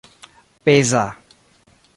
peza